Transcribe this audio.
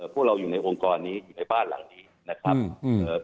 พวกเราอยู่ในองค์กรนี้อยู่ในบ้านหลังนี้นะครับเอ่อ